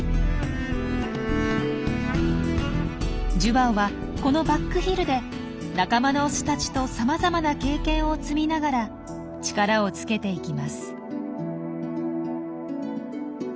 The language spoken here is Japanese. ジュバオはこのバックヒルで仲間のオスたちとさまざまな経験を積みながら力をつけていきます。